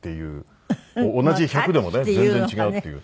同じ１００でもね全然違うっていう。